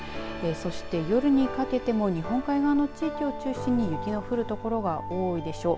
そして夜にかけても日本海側の地域を中心に雪の降る所が多いでしょう。